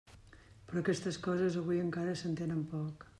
Però aquestes coses avui encara s'entenen poc.